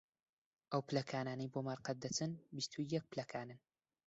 ئەو پلەکانانەی بۆ مەرقەد دەچن، بیست و یەک پلەکانن